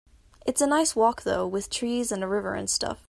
It's a nice walk though, with trees and a river and stuff.